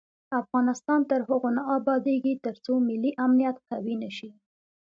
افغانستان تر هغو نه ابادیږي، ترڅو ملي امنیت قوي نشي.